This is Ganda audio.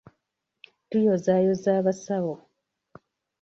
Tuyozaayoza abasawo